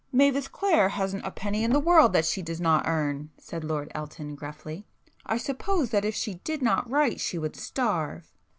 "Mavis Clare hasn't a penny in the world that she does not earn,"—said Lord Elton gruffly—"I suppose that if she did not write she would starve."